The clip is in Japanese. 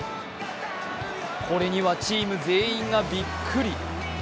これにはチーム全員がびっくり。